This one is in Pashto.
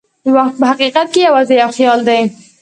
وخت په حقیقت کې یوازې یو خیال دی.